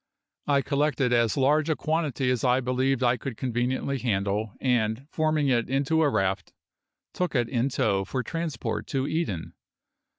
I collected as large a quantity as I believed I could conveniently handle, and, forming it into a raft, took it in tow for transport to Eden.